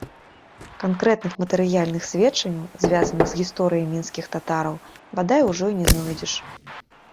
Канкрэтных матэрыяльных сведчанняў, звязаных з гісторыяй мінскіх татараў, бадай, ужо і не знойдзеш.